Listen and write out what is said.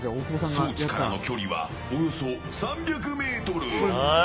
装置からの距離はおよそ３００ｍ。